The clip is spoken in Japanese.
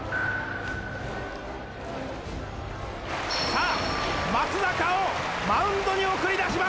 さあ松坂をマウンドに送り出します！